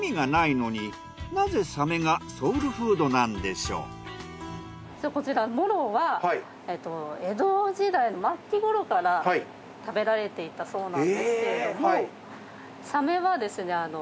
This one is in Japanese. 確かにこちらモロは江戸時代の末期ごろから食べられていたそうなんですけれどもサメはですね